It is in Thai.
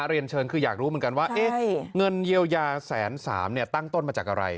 เรียนเชิญคืออยากรู้เหมือนกันว่าเงินเยียวยาแสนสามตั้งต้นมาจากอะไร